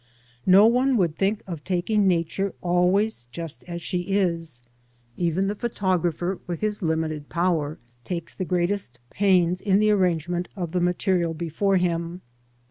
No one would think of taking Nature always just as she is; even, the photographer with his limited power takes the greatest pains in the arrangement of the material before him.